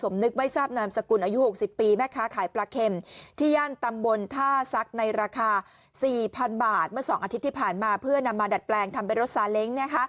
เมื่อ๒อาทิตย์ที่ผ่านมาเพื่อนำมาดัดแปลงทำเป็นรถซาเล้ง